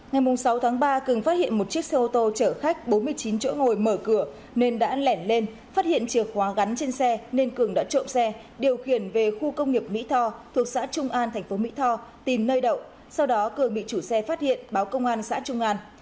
ngày sáu tháng ba cường phát hiện một chiếc xe ô tô chở khách bốn mươi chín chỗ ngồi mở cửa nên đã lẻn lên phát hiện chìa khóa gắn trên xe nên cường đã trộm xe điều khiển về khu công nghiệp mỹ tho thuộc xã trung an thành phố mỹ tho tìm nơi đậu sau đó cường bị chủ xe phát hiện báo công an xã trung an